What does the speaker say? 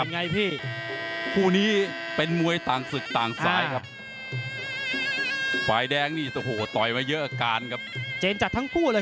นี่สถิติของมุมน้ำเงินครับกล้องทรณีห้วนเดีย